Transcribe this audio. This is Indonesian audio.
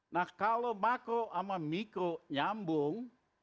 nah kalau makro sama mikro nyambung